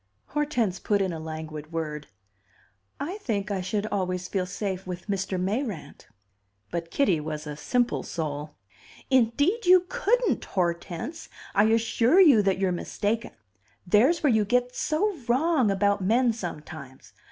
Hortense put in a languid word. "I think I should always feel safe with Mr. Mayrant." But Kitty was a simple soul. "Indeed you couldn't, Hortense! I assure you that you're mistaken. There's where you get so wrong about men sometimes.